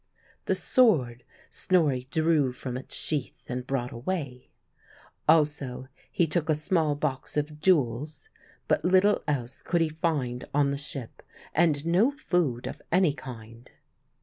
The sword Snorri drew from its sheath and brought away; also he took a small box of jewels; but little else could he find on the ship, and no food of any kind.